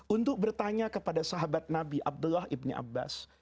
untuk bertanya kepada sahabat nabi abdullah ibni abbas